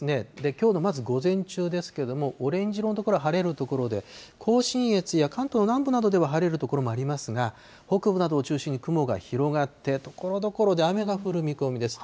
きょうのまず午前中ですけども、オレンジ色の所は晴れる所で、甲信越や関東南部などでは晴れる所もありますが、北部などを中心に雲が広がって、ところどころで雨が降る見込みです。